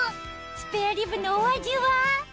スペアリブのお味は？